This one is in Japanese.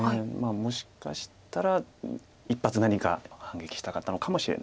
もしかしたら一発何か反撃したかったのかもしれない。